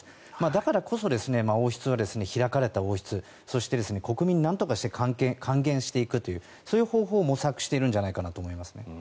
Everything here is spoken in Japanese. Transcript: だからこそ王室は開かれた王室そして、国民になんとかして還元していくというそういう方法を模索しているんじゃないかと思います。